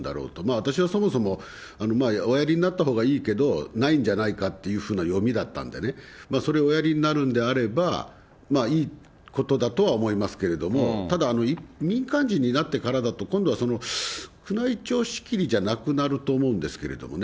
私はそもそも、おやりになったほうがいいけど、ないんじゃないかっていうふうな読みだったんでね、それをおやりになるんであれば、いいことだとは思いますけれども、ただ、民間人になってからだと、今度は宮内庁仕切りじゃなくなると思うんですけれどもね。